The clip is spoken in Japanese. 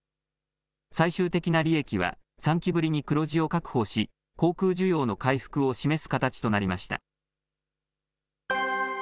最終的な利益は、３期ぶりに黒字を確保し、航空需要の回復を示す形となりました。